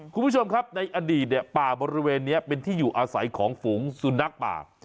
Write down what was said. คุณผู้ชมครับในอดีตเนี่ยป่าบริเวณนี้เป็นที่อยู่อาศัยของฝูงสุนัขป่า